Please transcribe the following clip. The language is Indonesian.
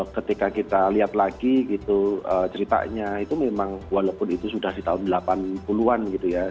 ketika kita lihat lagi gitu ceritanya itu memang walaupun itu sudah di tahun delapan puluh an gitu ya